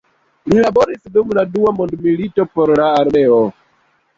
Li laboris dum la dua mondmilito por la armeo.